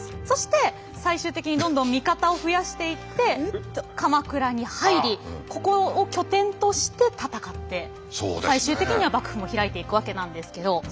そして最終的にどんどん味方を増やしていって鎌倉に入りここを拠点として戦って最終的には幕府も開いていくわけなんですけど。